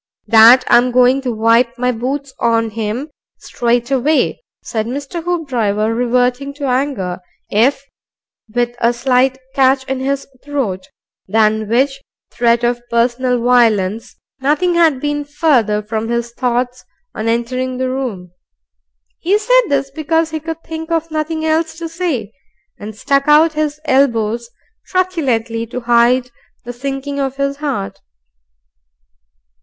"That I'm going to wipe my boots on 'im straight away," said Mr. Hoopdriver, reverting to anger, if with a slight catch in his throat than which threat of personal violence nothing had been further from his thoughts on entering the room. He said this because he could think of nothing else to say, and stuck out his elbows truculently to hide the sinking of his heart.